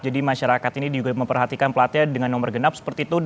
jadi masyarakat ini juga diperhatikan dengan nomor genap seperti itu